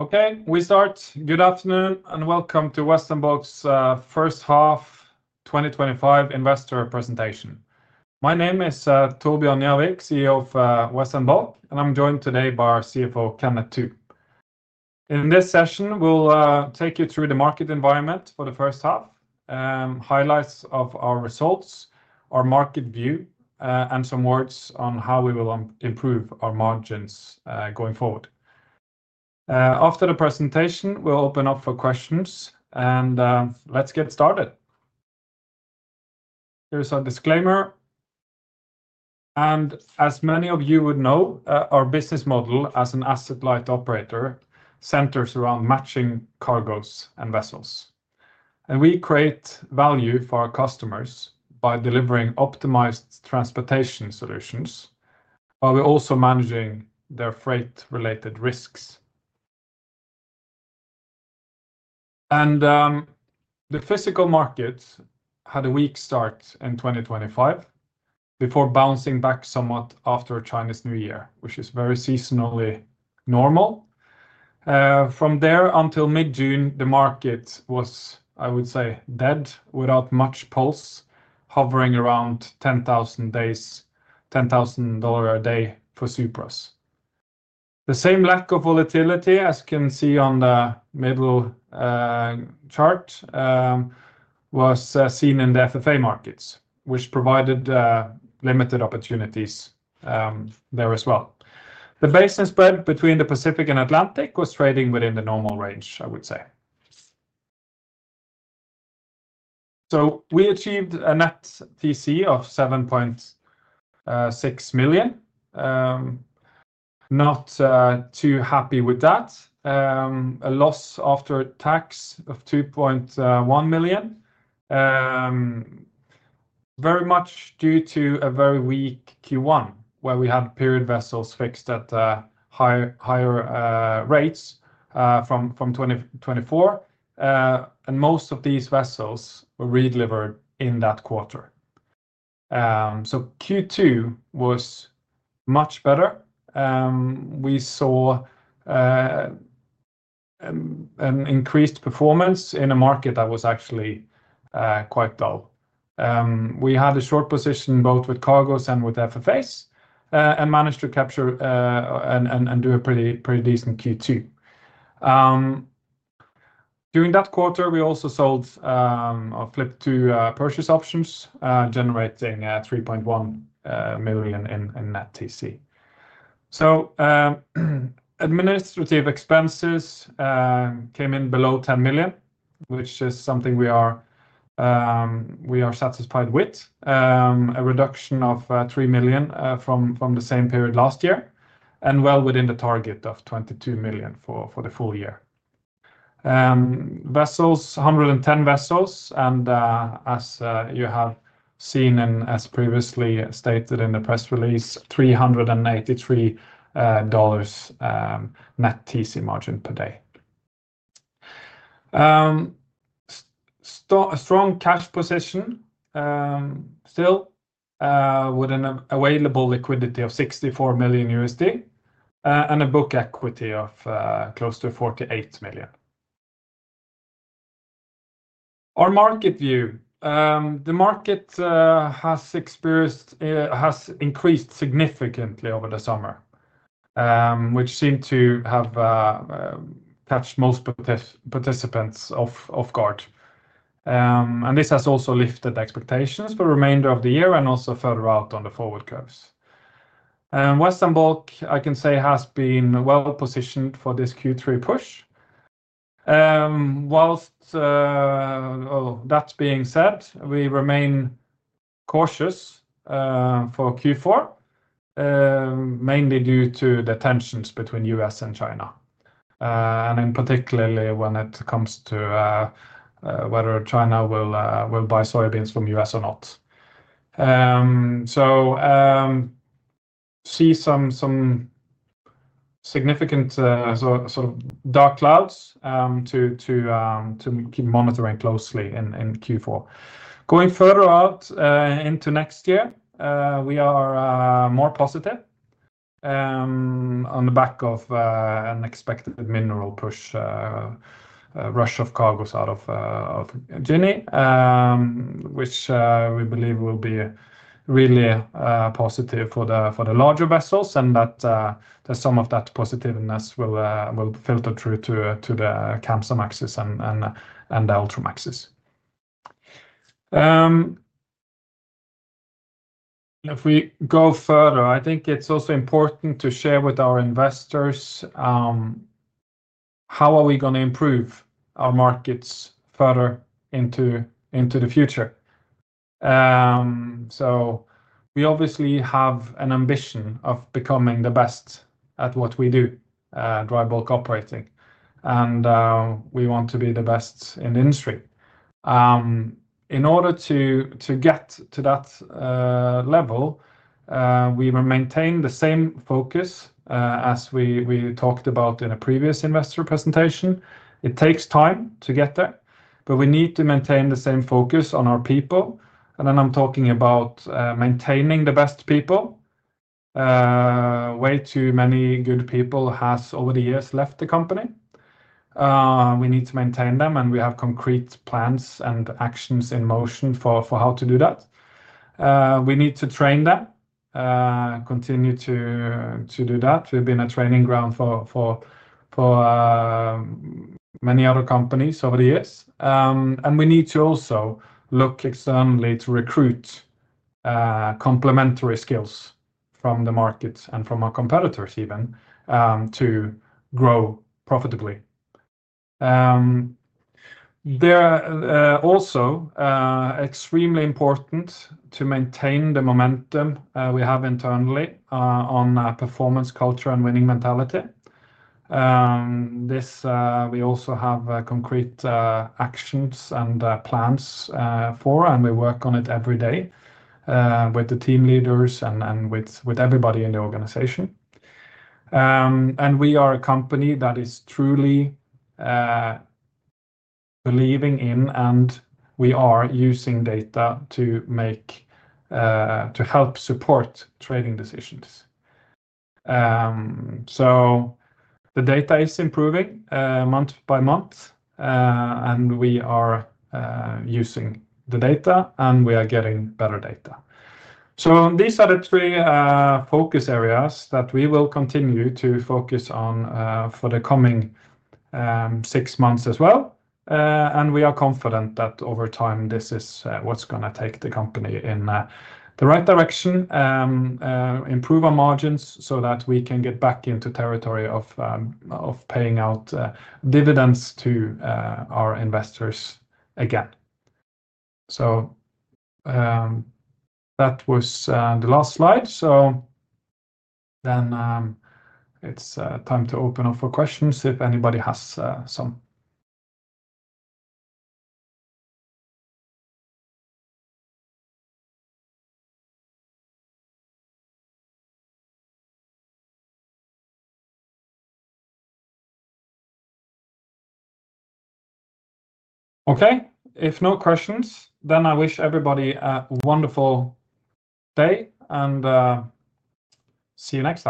Okay, we start. Good afternoon and welcome to Western Bulk's First Half 2025 Investor Presentation. My name is Torbjørn Gjervik, CEO of Western Bulk, and I'm joined today by our CFO, Kenneth Thu. In this session, we'll take you through the market environment for the first half, highlights of our results, our market view, and some words on how we will improve our margins going forward. After the presentation, we'll open up for questions. Let's get started. Here's our disclaimer. As many of you would know, our business model as an asset-light operator centers around matching cargoes and vessels. We create value for our customers by delivering optimized transportation solutions, while we're also managing their freight-related risks. The physical market had a weak start in 2025 before bouncing back somewhat after China's New Year, which is very seasonally normal. From there until mid-June, the market was, I would say, dead without much pulse, hovering around $10,000 a day for Supras. The same lack of volatility, as you can see on the middle chart, was seen in the FFA markets, which provided limited opportunities there as well. The basis spread between the Pacific and Atlantic was trading within the normal range, I would say. We achieved a net TC of $7.6 million. Not too happy with that. A loss after tax of $2.1 million, very much due to a very weak Q1, where we had period vessels fixed at higher rates from 2024. Most of these vessels were redelivered in that quarter. Q2 was much better. We saw an increased performance in a market that was actually quite low. We had a short position both with cargoes and with FFAs and managed to capture and do a pretty decent Q2. During that quarter, we also sold or flipped two purchase options, generating $3.1 million in net TC. Administrative expenses came in below $10 million, which is something we are satisfied with. A reduction of $3 million from the same period last year, and well within the target of $22 million for the full year. Vessels, 110 vessels, and as you have seen and as previously stated in the press release, $383 net TC margin per day. A strong cash position still, with an available liquidity of $64 million and a book equity of close to $48 million. Our market view, the market has increased significantly over the summer, which seemed to have catched most participants off guard. This has also lifted expectations for the remainder of the year and further out on the forward curves. Western Bulk, I can say, has been well positioned for this Q3 push. That being said, we remain cautious for Q4, mainly due to the tensions between the U.S. and China, particularly when it comes to whether China will buy soybeans from the U.S. or not. We see some significant sort of dark clouds to keep monitoring closely in Q4. Going further out into next year, we are more positive on the back of an expected mineral push, a rush of cargoes out of Guinea, which we believe will be really positive for the larger vessels, and that some of that positiveness will filter through to the Capesize axis and the Ultramax axis. If we go further, I think it's also important to share with our investors how we are going to improve our markets further into the future. We obviously have an ambition of becoming the best at what we do, dry bulk operating, and we want to be the best in the industry. In order to get to that level, we will maintain the same focus as we talked about in a previous investor presentation. It takes time to get there, but we need to maintain the same focus on our people. I'm talking about maintaining the best people. Way too many good people have over the years left the company. We need to maintain them, and we have concrete plans and actions in motion for how to do that. We need to train them, continue to do that. We've been a training ground for many other companies over the years. We need to also look externally to recruit complementary skills from the markets and from our competitors even to grow profitably. It's also extremely important to maintain the momentum we have internally on performance culture and winning mentality. We also have concrete actions and plans for this, and we work on it every day with the team leaders and with everybody in the organization. We are a company that is truly believing in, and we are using data to help support trading decisions. The data is improving month by month, and we are using the data, and we are getting better data. These are the three focus areas that we will continue to focus on for the coming six months as well. We are confident that over time, this is what's going to take the company in the right direction, improve our margins so that we can get back into territory of paying out dividends to our investors again. That was the last slide.It is time to open up for questions if anybody has some. Okay. If no questions, then I wish everybody a wonderful day and see you next time.